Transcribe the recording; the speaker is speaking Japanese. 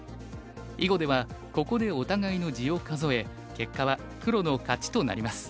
囲碁ではここでお互いの地を数え結果は黒の勝ちとなります。